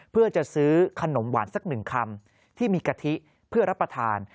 เพื่อจะซื้อขนมหวานสักหนึ่งคำที่มีกะทิเพื่อรับประทาน